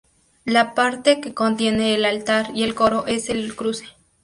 La parte que contiene el altar y el coro es el cruce.